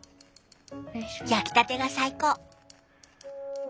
焼きたてが最高。